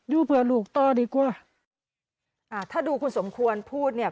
อยู่เพื่อลูกต่อดีกว่าอ่าถ้าดูคุณสมควรพูดเนี่ย